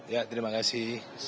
ya terima kasih